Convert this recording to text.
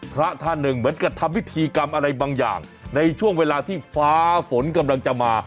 พระท่านหนึ่งเหมือนกับทำพิธีกรรมอะไรบางอย่างในช่วงเวลาที่ฟ้าฝนกำลังจะมา